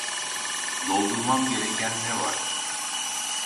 Doldurmam gereken ne var